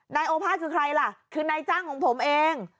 นายโอภาษคือใครล่ะคือนายจ้างของผมเอง